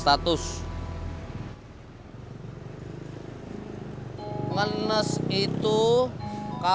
masa bergantung executet dia